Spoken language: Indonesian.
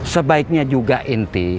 sebaiknya juga inti